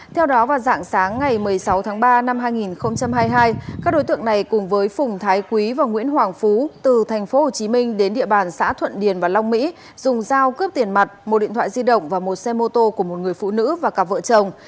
theo đó vào dạng sáng ngày một mươi sáu tháng ba năm hai nghìn hai mươi hai các đối tượng này cùng với phùng thái quý và nguyễn hoàng phú từ tp hcm đến địa bàn xã thuận điền và long mỹ dùng dao cướp tiền mặt một điện thoại di động và một xe mô tô của một người phụ nữ và cặp vợ chồng